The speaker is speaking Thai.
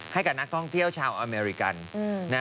ให้กับนักท่องเที่ยวชาวอเมริกัน